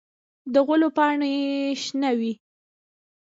د غلو پاڼې شنه وي.